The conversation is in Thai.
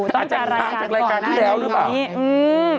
น่าจะห่างจากรายการที่แล้วหรือเปล่า